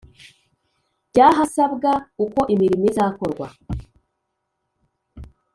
by ahasabwa uko imirimo izakorwa